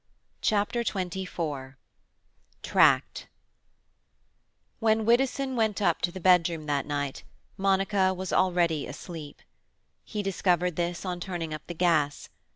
CHAPTER XXIV TRACKED When Widdowson went up to the bedroom that night, Monica was already asleep. He discovered this on turning up the gas.